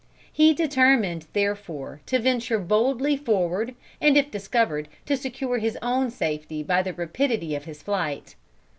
He determined, therefore, to venture boldly forward and, if discovered, to secure his own safety by the rapidity of his flight.